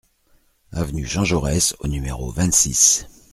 AV JEAN JAURES au numéro vingt-six